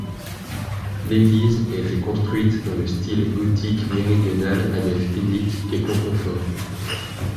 L'église a été construite dans le style gothique méridional à nef unique et contreforts.